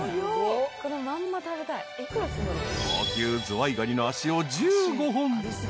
［高級ズワイガニの足を１５本］